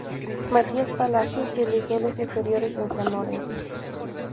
Matías Palacios realizó las inferiores en San Lorenzo.